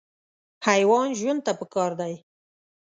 حیوان ژوند ته پکار دی.